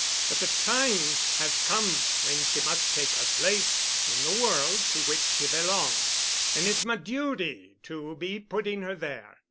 But the time has come when she must take her place in the world to which she belongs, and it's my duty to be putting her there.